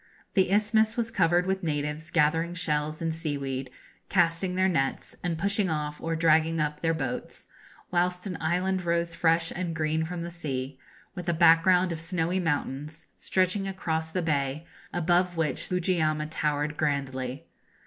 This isthmus was covered with natives gathering shells and seaweed, casting their nets, and pushing off or dragging up their boats; whilst an island rose fresh and green from the sea, with a background of snowy mountains, stretching across the bay, above which Fujiyama towered grandly.